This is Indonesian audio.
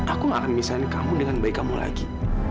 aku nggak akan misalnya kamu dengan bayi kamu lagi